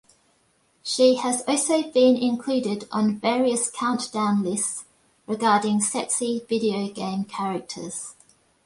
She has also been included on various countdown lists regarding sexy video game characters.